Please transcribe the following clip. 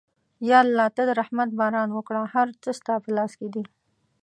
یا الله ته د رحمت باران وکړه، هر څه ستا په لاس کې دي.